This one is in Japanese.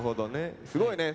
すごいね。